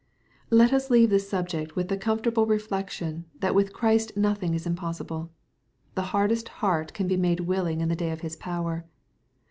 Let us leave the subject with the comfortable reflec tion, that with Christ nothing is impossible. The hardest heart can be made willing in the day of His power.